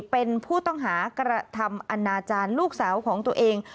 เป็นผู้ต้องหากระทำอนาจารย์ลูกสาวของตัวเอง